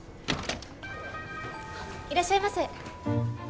いらっしゃいませ。